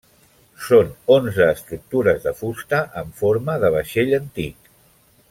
Són onze estructures de fusta amb forma de vaixell antic.